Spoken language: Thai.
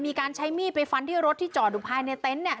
มีการใช้มีดไปฟันที่รถที่จอดอยู่ภายในเต็นต์